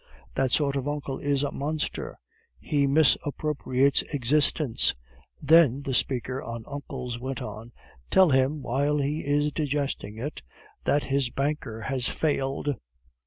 "That sort of uncle is a monster; he misappropriates existence." "Then," the speaker on uncles went on, "tell him, while he is digesting it, that his banker has failed."